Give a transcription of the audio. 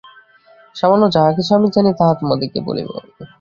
সামান্য যাহা কিছু আমি জানি, তাহা তোমাদিগকে বলিব।